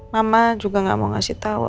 mama juga gak mau ngasih tahu